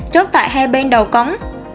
chốt tại hai bên đầu cống